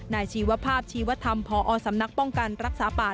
ชีวภาพชีวธรรมพอสำนักป้องกันรักษาป่า